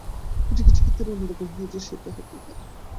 কিছু কিছু ক্ষেত্রে অন্য রকম হয়ে যায় এবং সেটা হতেই পারে।